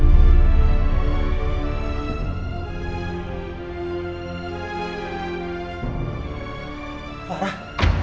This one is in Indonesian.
aku mau ke rumah